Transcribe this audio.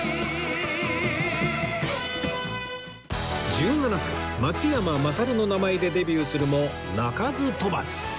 １７歳松山まさるの名前でデビューするも鳴かず飛ばず